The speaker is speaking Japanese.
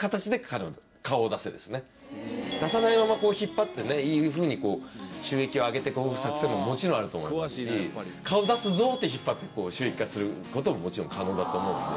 出さないまま引っ張っていいふうに収益を上げてく作戦ももちろんあると思いますし顔出すぞって引っ張って収益化することももちろん可能だと思うんで。